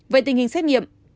vậy tình hình xét nghiệm